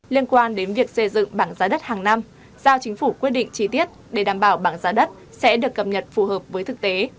liên quan đến việc xây dựng bảng giá đất hàng năm giao chính phủ quyết định chi tiết để đảm bảo bảng giá đất sẽ được cập nhật phù hợp với thực tế